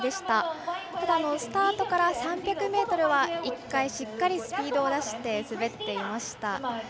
ただ、スタートから３００ｍは１回しっかりとスピードを出して滑っていました。